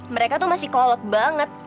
mereka tuh masih kolot banget